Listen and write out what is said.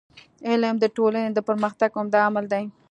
علم د ټولني د پرمختګ عمده عامل دی.